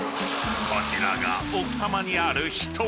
［こちらが奥多摩にある秘湯